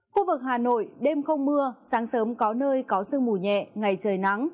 khu vực hà nội đêm không mưa sáng sớm có nơi có sương mù nhẹ ngày trời nắng